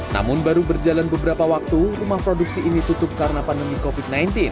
namun baru berjalan beberapa waktu rumah produksi ini tutup karena pandemi covid sembilan belas